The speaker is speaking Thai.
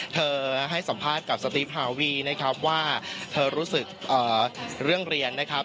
ให้สัมภาษณ์กับสติฟฮาวีนะครับว่าเธอรู้สึกเรื่องเรียนนะครับ